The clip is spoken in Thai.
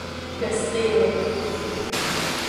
เดอะ สตีล